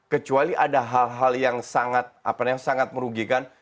kecuali ada hal hal yang sangat merugikan